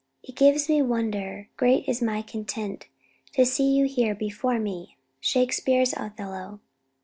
"It gives me wonder, great is my content, To see you here before me." SHAKESPEARE'S OTHELLO.